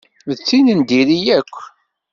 D tin n diri yakk.